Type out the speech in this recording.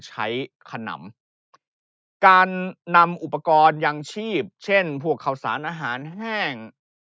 ขนำการนำอุปกรณ์ยังชีพเช่นพวกข่าวสารอาหารแห้ง